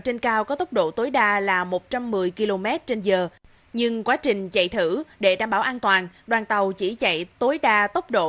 trên giờ nhưng quá trình chạy thử để đảm bảo an toàn đoàn tàu chỉ chạy tối đa tốc độ